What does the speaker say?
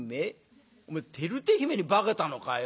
「おめえ照手姫に化けたのかよ？」。